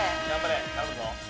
頼むぞ。